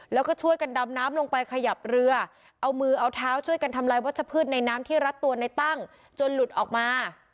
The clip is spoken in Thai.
แล้วก็ช่วยกันดำน้ำลงไปขยับเรือเอามือเอาเท้าช่วยกันทำลายวัชพืชในน้ำที่รัดตัวในตั้งจนหลุดออกมา